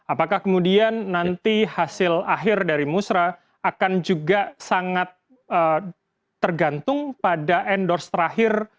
apakah kemudian nanti hasil akhir dari musra akan juga sangat tergantung pada endorse terakhir